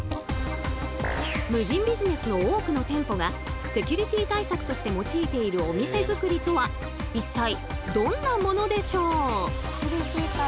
無人ビジネスの多くの店舗がセキュリティー対策として用いているお店づくりとは一体どんなものでしょう？